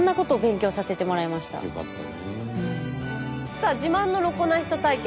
さあ自慢のロコな人対決。